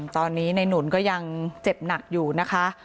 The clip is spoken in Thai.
ตอนนี้ในหนุนก็ยังเจ็บหนักอยู่นะคะ